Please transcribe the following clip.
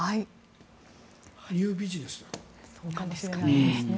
ニュービジネスですね。